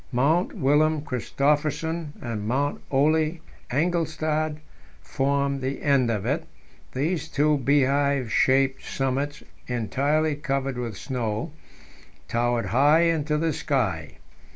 Mount Wilhelm Christophersen and Mount Ole Engelstad formed the end of it; these two beehive shaped summits, entirely covered with snow, towered high into the sky.